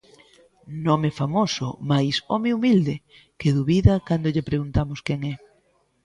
Nome famoso, mais home humilde, que dubida cando lle preguntamos quen é.